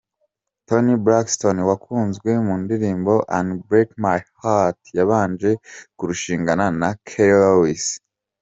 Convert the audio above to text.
Toni Braxton wakunzwe mu ndirimbo "Unbreak My Heart", yabanje kurushingana na Keri Lewis.